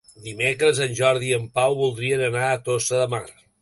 Dimecres en Jordi i en Pau voldrien anar a Tossa de Mar.